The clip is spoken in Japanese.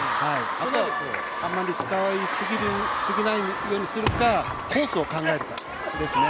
あとはあんまり使いすぎないようにするか、コースを考えるかですね。